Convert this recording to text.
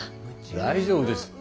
大丈夫です